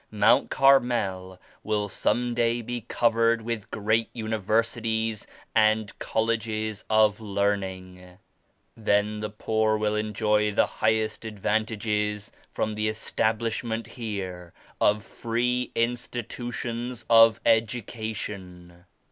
Mount Carmel will some day be covered with great universities and colleges of learning. Then the poor will enjoy the highest advantages from the establishment here of free institutions of education."